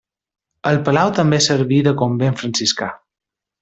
El palau també serví de convent franciscà.